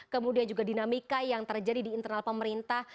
kemudian juga dinamika yang terjadi di internal pemerintah